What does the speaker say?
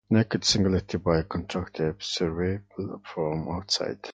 A naked singularity, by contrast, is observable from the outside.